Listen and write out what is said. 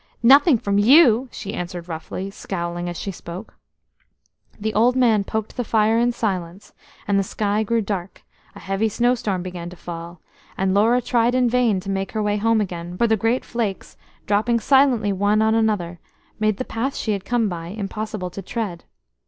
"Nothing from you!" she answered roughly, scowling as she spoke. The old man poked the fire in silence, and the sky grew dark, a heavy snowstorm began to fall, and Laura tried in vain to make her way home again, for the great flakes, dropping silently one on another, made the path she had come by impossible to tread.